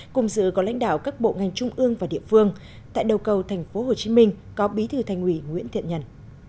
cùng giữa các lãnh đạo các bộ ngành trung ương và địa phương tại đầu cầu tp hcm có bí thư thanh quỷ nguyễn thiện nhân